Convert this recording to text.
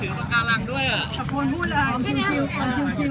อย่าเอาโผล่ขึ้นไปนานนะ